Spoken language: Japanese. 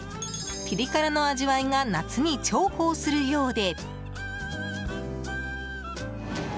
ピリ辛の味わいが夏に重宝するようで。